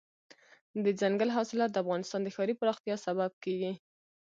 دځنګل حاصلات د افغانستان د ښاري پراختیا سبب کېږي.